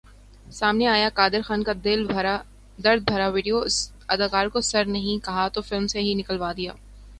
سامنے آیا قادر خان کا درد بھرا ویڈیو ، اس اداکار کو سر نہیں کہا تو فلم سے ہی نکلوادیا